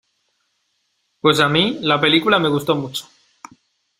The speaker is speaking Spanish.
Pues a mí, la película me gustó mucho.